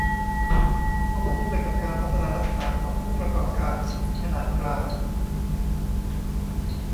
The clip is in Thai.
ควบคู่ไปกับการพัฒนาทักษะของผู้ประกอบการขนาดกลาง